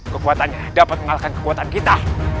kekuatannya dapat mengalahkan kekuatan kita